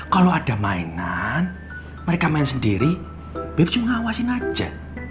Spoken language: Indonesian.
kalau ada mainan mereka main sendiri bip cuma ngawasin aja